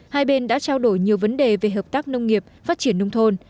hai bên đã trao đổi nhiều vấn đề về hợp tác nông nghiệp phát triển nông thôn